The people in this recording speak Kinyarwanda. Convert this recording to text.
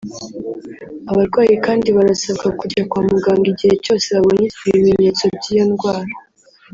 Abarwayi kandi barasabwa kujya kwa muganga igihe cyose babonye ibimenyetso by’iyo ndarwa